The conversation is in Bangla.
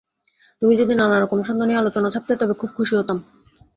তুমি যদি নানা রকম ছন্দ নিয়ে আলোচনা ছাপতে, তবে খুব খুশি হতাম।